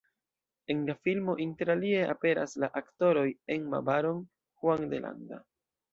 En la filmo interalie aperas la aktoroj Emma Baron, Juan de Landa.